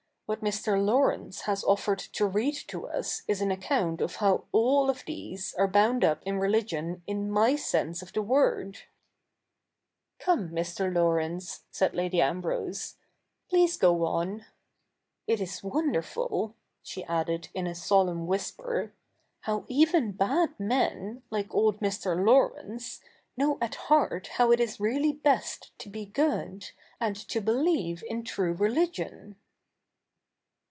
^Vhat Mr. Laurence has offered to read to us is an account of how all of these are bound up in religion in 7?iy sense of the word/" ' Come, Mr. Laurence,' said Lady Ambrose, ' please go on. It is wonderful,' she added in a solemn whisper, ' how even bad men, like old Mr. Laurence, know at heart how it is really best to be good, and to believe in true religion.'